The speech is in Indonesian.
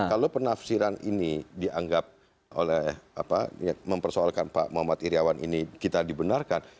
kalau penafsiran ini dianggap oleh mempersoalkan pak muhammad iryawan ini kita dibenarkan